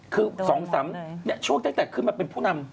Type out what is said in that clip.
คือ๒๓ช่วงตั้งแต่ขึ้นมาเป็นผู้นำ